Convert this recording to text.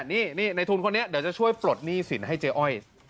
นี่ในทุนคนนี้เดี๋ยวจะช่วยปลดหนี้สินให้เจ๊อ้อย